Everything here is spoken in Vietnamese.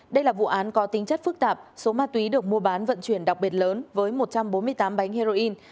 đây là vụ án có tính chất phức tạp số ma túy được mua bán vận chuyển đặc biệt lớn với một trăm bốn mươi tám bánh heroin